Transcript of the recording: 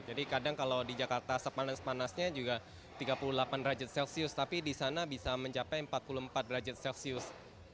jadi kadang kalau di jakarta sepanas panasnya juga tiga puluh delapan derajat celcius tapi di sana bisa mencapai empat puluh empat derajat celcius